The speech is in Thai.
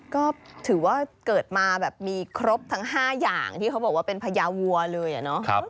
ก็ถือว่าเกิดมาแบบมีครบทั้ง๕อย่างที่เขาบอกว่าเป็นพญาวัวเลยอะเนาะ